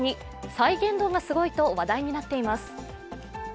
再現度がすごいと話題になっています。